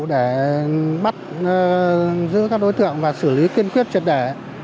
để bắt giữ các đối tượng và xử lý kiên quyết triệt đẻ